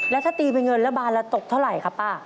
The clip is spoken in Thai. แล้วถ้าตีมีเงินละบานละตกเท่าไรครับป่าว